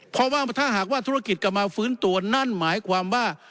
เพราะว่าถ้าหากว่าธุรกิจกลับมาฟื้นตัวนั่นหมายความว่า